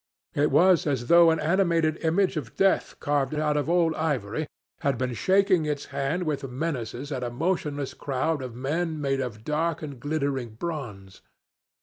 It was as though an animated image of death carved out of old ivory had been shaking its hand with menaces at a motionless crowd of men made of dark and glittering bronze.